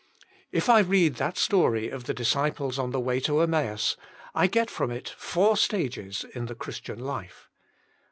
If I read that story of the disciples on the way to Emmaus, I get from it four stages in the Christian life.